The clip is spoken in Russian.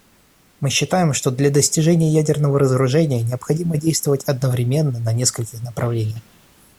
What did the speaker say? Мы считаем, что для достижения ядерного разоружения необходимо действовать одновременно на нескольких направлениях.